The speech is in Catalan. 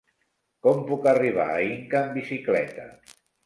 Com puc arribar a Inca amb bicicleta?